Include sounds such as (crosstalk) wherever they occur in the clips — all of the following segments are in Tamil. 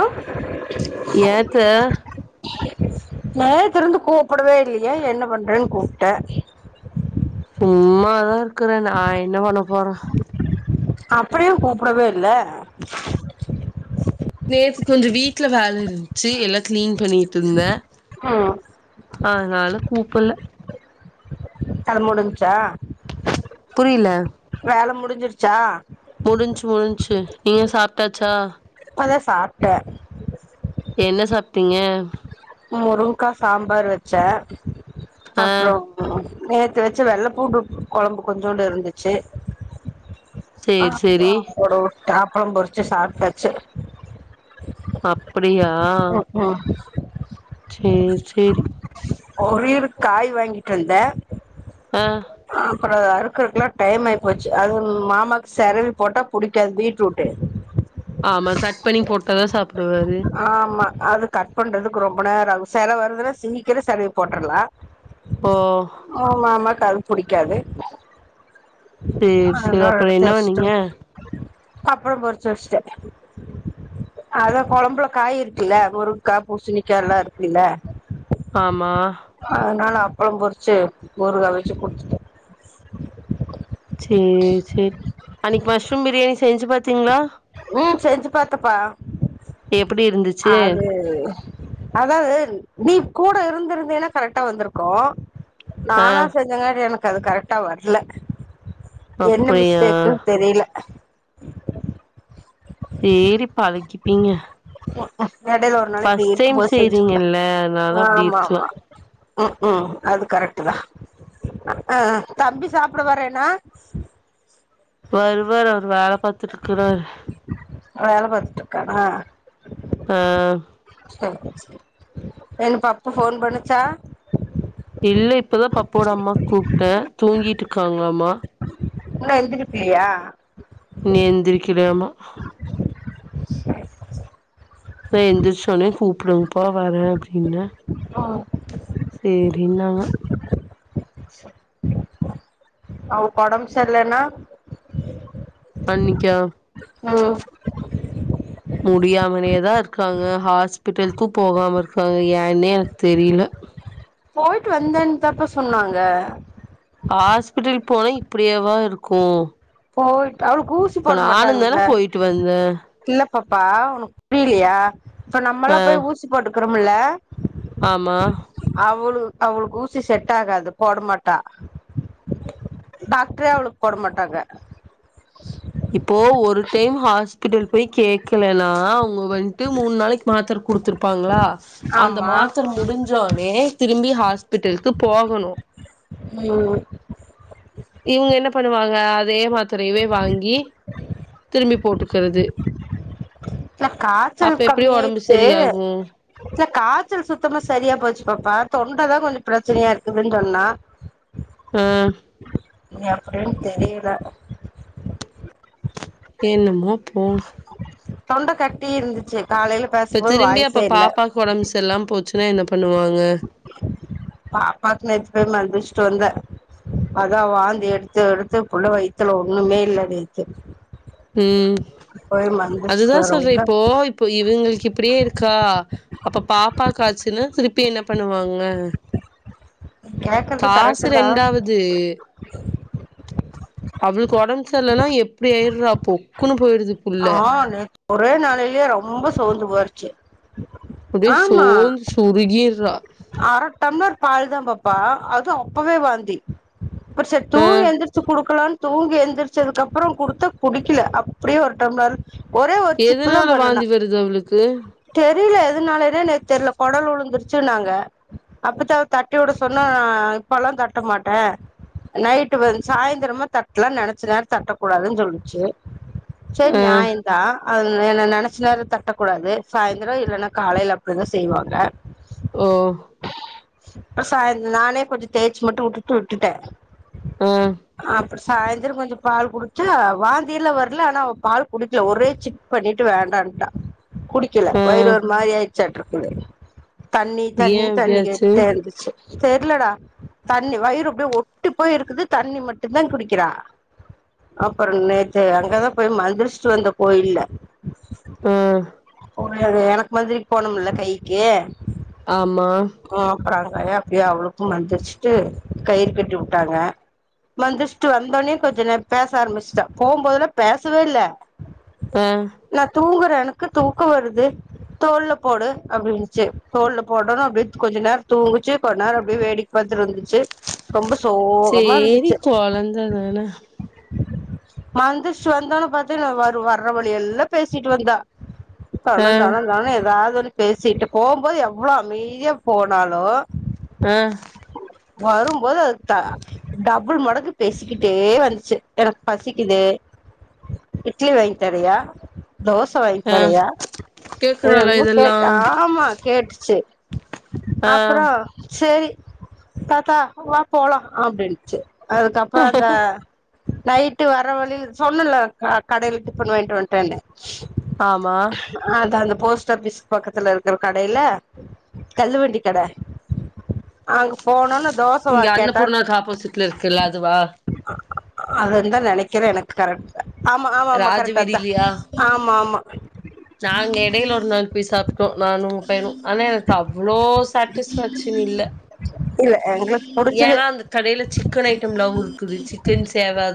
அஹ் ஏத்த நேத்திருந்து கூப்படவே இல்லையே என்ன பண்றேன்னு கூப்பிட்டே ம்மாதா இருக் க்குறே நா என்ன பண்ண போற அப்டியு கூப்புடவே இல்ல நேத்து கொஞ்சொ வீட்டுல வேலை இருந்துச்சு எல்லாம் கிளீன் பண்ணிட்டு இருந்தே ம் அதுனால கூப்பல கல முடுன்ச்சா புரியல முடிஞ்சிருச்சா முடிஞ்சு முடிஞ்ச்சு நீங்க சாப்பிட்டாச்சா இப்போதா சாப்ட்ட என்ன சாப்பிட்டீங்க முருங்க்கா சாம்பார் வச்சே ஆ அப்பறோ நேத்து வச்ச வெள்ள பூண்டு கொழம்பு கொஞ்சோண்டு இருந்துச்சு. (inaudible) சேரி சேரி அப்பளம் பொறிச்சு சாப்ட்டாச்சு அப்டி ப்டியா ம் (inaudible) சேரி செரி ஒரே ஒரு காய் வாங்கிட்டு வந்த ஆ அப்பறொ அறுக்குறக்குல்லா டைம் ஆகி போச்சு அது மாமாக்கு செரவி போட்டா புடிக்காது பீட்ரூட்டு ஆமா சட் பண்ணி போட்டதா சாப் டுவாரு ஆமா அது கட் பண்றதுக்கு ரொம்ப நேரொ ஆகு செலவருதுன்னா சீக்கிரம் செலவி போட்டுரலா ஓ ஓ மாமாக்கது புடிக்காது. சரி சரி அப்பறொ என்ன பண்ணீங்க கப்பளம் பொறிச்சு வச்சுட்ட அத கொழம்புல காய் இருக்குல்ல முருங்க்கா பூசணிக்கா எல்லா இருக்குல்ல ஆமா ப்புளம் பொறிச்சு ஊறுகா வச்சு குடித்துட்ட சேரி சரி அன்னைக்கு மஷ்ரூம் பிரியாணி செஞ்சு பாத்தீங்களா உம் செஞ்சு பாத்தப்பா எப்டி இருந்துச்சு அது அதாவது நீ கூட இருந்திருந்தேன்னா கரெக்டா வந்திருக்கூ ஆ நானா செஞ்சன்னா அது எனக் அது கரெக்டா வர்ல என்ன அப்டியா மிஸ்டேக்குன் தெரில (inaudible) (inaudible) சேரிப்பா அதுக்கிப்பீங்க எடையில ஒரு நாளைக்கு நீ ஃபஸ்ட் இருக்கும் டைம் போது செஞ்சுக்கலா செய்றீங்கல்ல அனாலா அப்டி இருக்லா உம் உம் அது கரெக்ட் தா ஆஹ் தம்பி சாப்ட வரேனா வருவாரு ஒரு வேழப் பாத்துருக்குறார் வேல பாத்துட்ருக்காரா ஆஹ் செரி சரி என் பப்பு ஃபோன் பண்ணுச்சா இல்ல இப்பதா பப்போட அம்மாக்கு கூப்ட்ட தூங்கிட்ருக்காங்களாமா இன்னு எந்திரிப்ளியா இன்னு எந்திரிக்கலையாமா இதோ எந்திரிச்சோன கூப்டுங்ப் பா வறே அப்டின்ன ம் சேரினாங்க அவக் கொடம் சர்லன்னா பண்ணிக்கோ முடியாமலெயே தா இருக்காங்க ஹாஸ்பிட்டல்க்கு போகாம இருக்காங்க ஏனே எனக்கு தெரில போயிட்டு வந்தேன் தாப்பா சொன்னாங்க ஹாஸ்பிட்டல் போய் இப்பிடியேவா இருக்கூ போய் இப்ப நானு தான போயிட்டு வந்தே பப்பா உனக்கு புரிலெயா இப்ப ஆ நம்மல்லா போய் ஊசி போட்டுக் க்குரமுள்ள ஆமா அவுளு அவளுக்கு ஊசி செட் ஆகாது போட மாட்டா டாக்டரே அவளுக்கு போட மாட்டாங்க இப்போ ஒரு டைம் ஹாஸ்பிட்டல் போய் கேக்லெனா அவுங்க வந்ட்டு மூணு நாளைக்கு மாத்தரக் குடுத்துருப்பாங்களா அந்த ஆமா மாத்தர முடிஞ்சோனே திரும்பி ஹாஸ்பிட்டல்க்கு போகணு ம்யு இவங்க என்ன பண்ணுவாங்க அதே மாத் திரையவே வாங்கி திரும்பி போட்டுக்குறது இல்ல காய்ச்சல் அப்ப எப்டி ஒடம்பு கம்மியாயிடுச்சு சரியாகு இல்ல காச்சல் சுத்தமா சரியா போச்சு பாப்பா தொண்ட தா கொஞ்ச பிரெச்சனையா இருக்கு அப்டின் சொன்னா ஆஹ் எப்டின் தெரில என்னமோ போ தொண்ட கட்டி இருந்துச்சு காலைல இப்ப பேசுபோது திரும்பி அப்ப வாய்சே இல்ல பாப்பாக்கு ஒடம்பு சரியில்லாம போச்சுன்னா என்ன பண்ணுவாங்க பாப்பாக்கு நேத்தி போய் மருபிடியு ச் சொந்த வந் தா வாந்தி எடுத்து எடுத்து புள்ள வைத்துல ஒண்ணுமே இல்ல நேத்து ம் போய் அதுதா மருந்துடிச்சுட்டு சொல்ற வரவுந்தா இப்போ இப்போ இதுங்களுக்கு இப்டியே இருக்கா அப்ப பாப்பா ஆச்சுன்னா திருப்பி என்ன பண்ணுவாங்க கேக்குறது காசு கரெக்ட் தா ரெண்டாவது அவுளுக்கு ஒடம் சரில்லலைன்னா எப்டி ஆயிட்ரா அப்போ குனு போய்டுது புல்ல ஆ நேத்து ஒரே நாளைலயே ரொம்ப சோர்ந்து போச்சு அப்டியே சோன் சொருகிறா அர டம்லர் பால் அதா பாப்பா அதுவு அப்பவே வாந்தி அப்ற சேர் தூங்கி ஆஹ் எழுந்திர்ச்சு குடுக்கலான் தூங்கி எழுந்திரச்சதுக்கப்புற குடுத்த குடிக்கல அப்டியே ஒரு டம்ளர் ஒரே ஒரு சிப்பு தா எதனால பண்ணுனா வாந்தி வருது அவளுக்கு தெரில எதனாலனே எனக் தெர்ல கொடல் உழுந்திருச்சுன்னாங்க அப்பத்த அவ தட்டிவுட சொன்னா நா இப்பல்லா தட்ட மாட்டே நைட்டு வ சாயந்திரமா தட்லா நெனைச்ச நேர தட்டக்கூடாதுன்னு சொல்லிச்சு ச ஆஹ் நியாயந்தா அது என்ன நெனச்ச நேர தட்டக்கூடாது சாயந்தர இல்லைன்னா காலைல அப்டிதா செய்வாங்க ஆஹ் அ சாய நானே கொஞ்சொ தேச்சு மட்டு விட்டுட்டு விட்டுட்டே ம் அப்புடி சாயந்தர கொஞ்சொ பால் குடிச்சா வாந்திலா வர்ல ஆனா அவ பால் குடிக்ல ஒரே சிப் பண்ணிட்டு வேண்டான்ட்டா குடிக்கல வயிறு ஆஹ் ஒரு மாரி ஆயிச்சட்ருக்குது தண்ணி தண்ணி ஏன் தண்ணி அப்படியாச்சு கேட்டே இருந்துச்சு தெர்லடா தண்ணி வயிறு அப்டியே ஒட்டி போய் இருக்குது தண்ணி மட்டு தா குடிக்கிறா அப்புற நேத்து அங்கதா போய் மந்திரிச்ட்டு வந்த கோயில்ல ஆஹ் போன அது எனக்கு மந்திரிக் போனும்ல கைக்கு ஆமா பா அப்டியே அவளுக்கு மந்திருச்சுட்டு கயிறு கட்டி வுட்டாங்க மந்திச்ட்டு வந்தோனே கொஞ்ச நே பேச ஆரம்பிச்ட்டா போகும்போதல்ல பேசவே இல்ல ஆஹ் நா தூங்குறே எனக்கு தூக்க வருது தோல்ல போடு அப்டின்னுச்சு தோல்ல போடணு அப்டியே கொஞ்ச நேர தூங்குச்சு கொஞ்ச நேர அப்டியே வேடிக் வந்து இருந்துச்சு ரொம்ப சோகமா சரி இருந்துச்சு குழந்த தானே வந்து சேந்தோன (unintelligible) வர் வர்ற வழி எல்லா பேசிட்டு வந்தா தண ஆஹ் தன தன ஏதாவது பேசிட்டு போகும்போது எவ் எவ்வளோ அமைதியா போனாலும் ஆஹ் வரும்போது அத் ட டபுள் மடங்கு பேசிக்கிட்டே வந்துச்சு எனக்கு பசிக்குது இட்லி வாங்கி தரியா தோசை வாங்கி ஆஹ் தரியா கேக்குறாளா என்னென்னமோ கேட்டா இதெல்லாம் ஆமா கேட்டுச்சு செரி ஆ அப்புறம் செரி தாத்தா வா போலாம் அப்படினுச்சு அதுக்கப்பறம் அந்த நைட்டு வர வழில சொன்னல கடையில டிப்பன் வாயிண்ட் வ வந்துட்டேன்னு ஆமா போஸ்ட் ஆபிஸ்க்கு பக்கத்துல இருக்ற கடைல தல்லுவண்டி கட அங்க போனோன தோச வா இங்க கேட்டா அன்னபூர்னாக்கு ஆப்போசிட்ல இருக்குல்ல அதுவா அதுந்தான் நெனைக்கறேன் எனக்கு கரெக்ட் ஆமா ஆமா ஆமா கரெக்ட் அதான் ராஜவீதிலியா ஆமா ஆமா நாங்க இடையில ஒரு நாள் போய் சாப்ட்டோம் நானு உங்க பைனும் ஆனா எனக்கு அவ்வளோ சாட்டிஸ்பஷன் இல்ல இல்ல எங்களுக்கு புடிச்சது ஏன்னா அந்த கடையில சிக்கன் ஐட்டம் எலாவும் இருக்குது சிக்கன் சேவா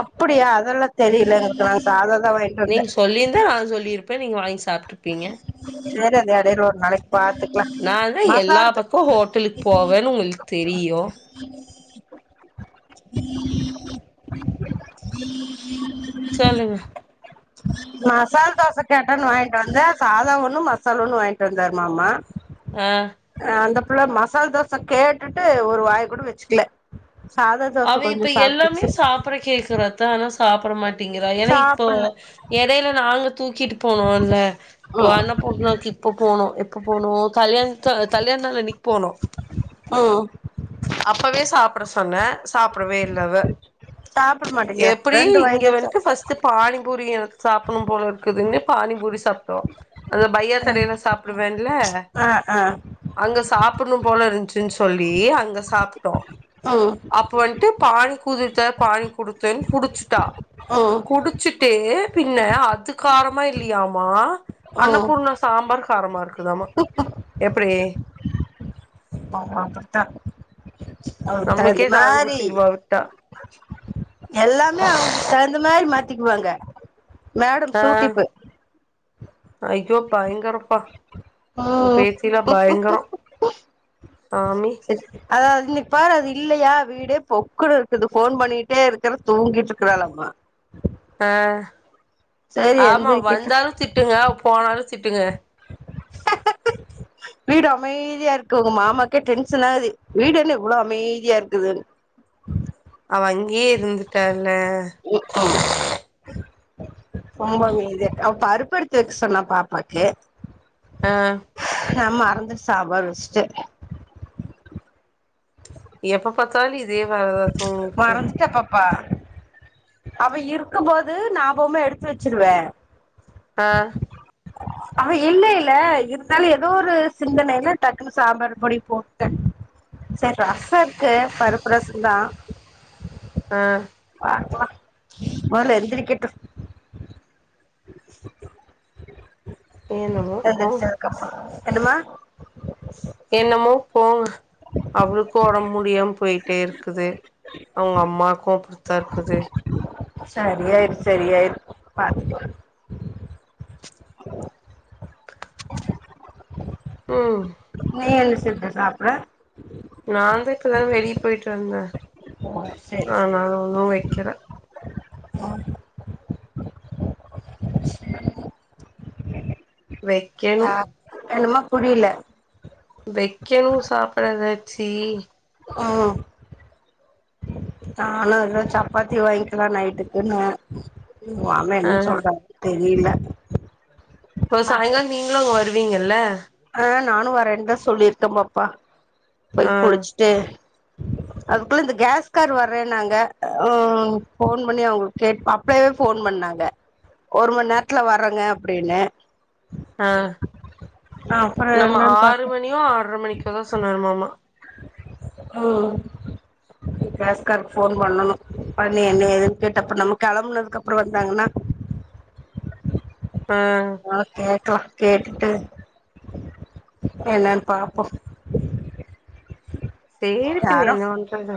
அப்படியா அதெல்லா தெரியல எனக்கு நங்க (unintelligible) நீங்க சொல்லிருந்தா நான் சொல்லிருப்பேன் நீங்க வாங்கி சாப் ப்பீங்க சரி அது எடையில ஒரு நாளைக்கு பாத்துக்கலா நான் தான் எல்லா மசால் த- பக்கமும் ஹோட்டலுக்கு போவேன்னு உங்களுக்கு தெரியும் சொல்லுங்க மசால் தோச கேட்டன்னு வாங்கி வந்த சாதாவ ஒன்னும் மசால ஒன்னும் வாங்கிட்டு வந்தாரு மாமா ஆ ஆஹ் அந்த இல்ல மசால தோச கேட்டுட்டு ஒரு வாய் கூட வச்சுக்கல சாதா தோச அவ இப்ப கொஞ்சோ எல்லாமே சாப்ட்டுச்சு சாப்ட கேக்குற அதான் சாப்ட மாட்டி ங்கிற ஏன்னா இப்போ சாப்புட்ல எடையில நாங்க தூக்கிட்டு போனோம்ல்ல இப்ப ம் அன்னபூர்னாக்கு இப்ப போனோம் இப்ப போனோ கல்யாணத் கல்யாண நாள் ன்னிக்கி போனோ ம் அப்பவே சாப் அப்ரம் சொன்ன சாப்டவே இல்ல அவ சாப்பிட மாட்டேங்கிற எப்டி ரெண்டு இங்க வாய் தா வன்டு சாப்ட்டா ஃபர்ஸ்ட்ட் பானிபூரி எனக்கு சாப்புனும் போல இருக்குதுன்னு பானிபூரி சத்தம் அந்த ஃபையா கடையில சாப்பிடுவேன்ல ஆ ஆ அங்க சாப் பிணும் போல இருந்துச்சுன்னு சொல்லி அங்க சாப்ட்டோ ம் அப்ப வன்ட்டு பாணி குடுத்ல பானி குடுத்த குடிச்சு ட்டா ம் குடிச்சு ட்டு பின்ன அது காரமா இல்லயாமா ம் அன்னபூர்ணா சாம்பார் காரமா இருக்குதாமா எப்பிடி அவங்க அப்டித்தா அவங்களுக்கு தகுந்த நம்மளுக்கே காது மாரி குத்திருவா விட்டா எல்லாமே அவங்களுக்கு தகுந்த மாரி மாத்தி த்திக்குவாங்க மேடம் ஆ சூட்டிப்பு ஐயோ பயாங்கறப்பா உன் ம் பேச்சில பயங்கரம் செரி அதாது பார் அது இல்லயா வீடே பொக்குனு இருக்குது போன் பண்ணிட்டே இருக்கற தூங்கிட்டு இருக்குறாளாம்மா ஆஹ் ஆமா எந்திரிக்கட்டு வந்தாலும் திட்டுங்க போனாலும் ச்சிட்டுங்க வீடு அமைதியா இருக்கு உங்க மாமாக்கே டென்ஷன் ஆகுது வீடென்னு இவ்ளோ அமைதியா இருக்குதுன்னு அவ அங்கேயே இருந்துட்டால ரொம்பவே இது அவ பருப்பெடுத்து வெக்க சொன்னா பாப்பாக்கு ஆஹ் நா மறந்துட்டு சாப்பாடு வெச்சுட்ட எப்ப பத்தாலு இ இதே வேல தா அத்த உங்களுக்கு ப்பா அவ இருக்கு போது நாபொமே எடுத்து வச்சிருவே ஆ ஆ இல்ல இல்ல இருந்தாலு ஏதோ ஒரு சிந்தனையில டக்குன்னு சாம்பார் பொடி போட்டே சரி ரச இருக்கு பருப்பு ரச தா ஆ பாக்கலா மொதல்ல எந்திரிக்கட்டு என்னமோ போங்க எந்திரிச்சதுக்கு அப்புறோ என்னம்மா என்னமோ போங்க அவுளுக்கு ஒடம்பு முடியாம போயிட்டே இருக்குது அவுங்க அம்மாக்கு அப் தர்க்குது செரி ஆயிரு செரி ஆயிரு பாத்துக்கலா ம் நீ என்ன சொ செர் போய் சாப்றே நா தா இப்பதா வெளியே போயிட்டு வந்தே ஓ சேரி ஆனால ஒண்ணு வெக்கல ஆ சேரி வெ கேனு என்னமா புரியில வைக்கணு சாப்பிட ஏதாச்சி ம் நானு அதா சப்பாத்தி வாய்ங்கிலா நைட்டுக்குன்னே ஊ மாமெ என்ன சொல்றாருனு தெரி இல்ல ஓ சாயிங்காலோ நீங்களு அங்க வருவீங்கல்ல ஆ நானு வரேனுதா சொல்லிருக்கே பாப்பா போய் ஆ குளிச்சுட்டு அதுக்குள்ள இந்த கேஸ்கார் வறேனாங்க ஃபோன் பண்ணி அவுங்களுக் கேட்பா அப்பயே ஃபோன் பண்ணாங்க ஒர் மண் நேரத்துல வறேங்க அப்டின்னு ஆ அப்புறோ நம்ம என்னன்னு ஆறு பாத்தே மணியோ ஆற மணிக்கோ தா சொன்னரு மாமா ம் கேஸ்காருக்கு ஃபோன் பண்ணணு பண்ணி என்ன ஏதுன்னு கேட்டு அப்பறே நம்ம கெளம்புனதுக்கு அப்புறோ வந்தாங்கன்னா ஆ ஆ கேக்கலா கேட்டுட்டு என்னன்னு பாப்போ சேரி பின்ன என்ன என்னபன்றது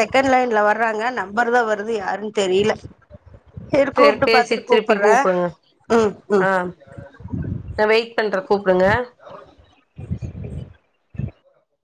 செகெண்ட் லைன்ல வர்றாங்க நம்பர் தா வருது யாருன்னு தெரியல செரி சேரி கூப்ட்டு பேசிட் பாத்துட்டு திருப்பி கூப்பட்றே கூப்டுங்க ம் ம் ஆ நா வெயிட் பண்றே கூப்புடுங்க